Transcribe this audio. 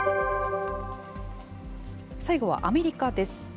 最後はアメリカです。